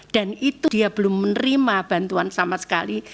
dan itu dia belum menerima bantuan sama sekali